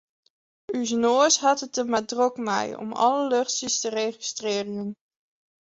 Us noas hat it der mar drok mei om alle luchtsjes te registrearjen.